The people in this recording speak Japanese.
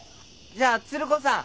じゃあつる子さん。